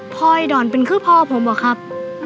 ไอ้ดอนเป็นคือพ่อผมเหรอครับ